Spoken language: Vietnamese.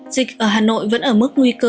dịch ở hà nội vẫn ở mức nguy cơ